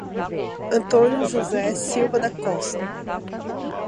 Antônio José Silva da Costa